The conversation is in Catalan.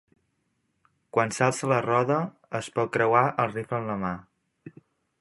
Quan s'alça la roda, es pot creuar el rifle amb la mà.